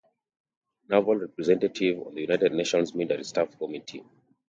Naval Representative on the United Nations Military Staff Committee.